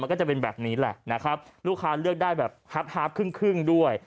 ก็จะเป็นแบบนี้แหละนะครับลูกค้าเลือกได้แบบฮับครึ่งครึ่งด้วย